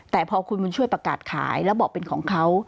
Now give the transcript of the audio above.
แต่พอคุณบุญช่วยประกาศขายแล้วบอกเป็นของเขา